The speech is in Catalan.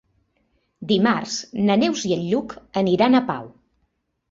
Dimarts na Neus i en Lluc aniran a Pau.